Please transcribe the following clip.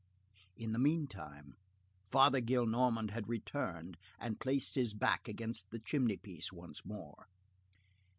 In the meantime, Father Gillenormand had returned and placed his back against the chimney piece once more.